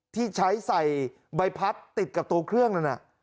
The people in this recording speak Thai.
ที่ใช้ใส่ใบพัดติดกับตัวเครื่องนั่นน่ะ